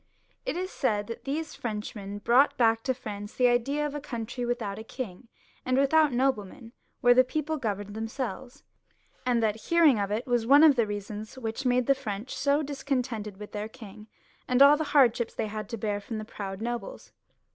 It is said that these Frenchmen brought back to France the idea of a country without a king and without noble men, where the people governed themselves; and that hearing of it was one of the reasons which made the French so discontented with their king and all the hardships they had to bear from the proud nobles.